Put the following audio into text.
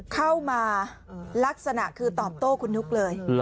เข้ามาลักษณะคือตอบโต้คุณนุ๊กเลย